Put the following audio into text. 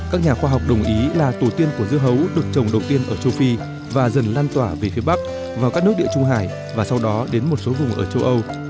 các nhà khoa học đồng ý là tổ tiên của dưa hấu được trồng đầu tiên ở châu phi và dần lan tỏa về phía bắc vào các nước địa trung hải và sau đó đến một số vùng ở châu âu